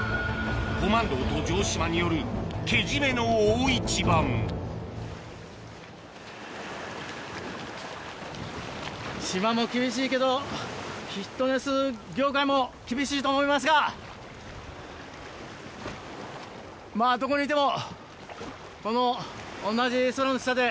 コマンドーと城島によるけじめの大一番島も厳しいけどフィットネス業界も厳しいと思いますがまぁどこにいても。